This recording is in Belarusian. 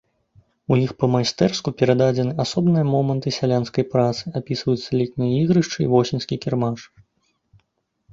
У іх па-майстэрску перададзены асобныя моманты сялянскай працы, апісваюцца летнія ігрышчы і восеньскі кірмаш.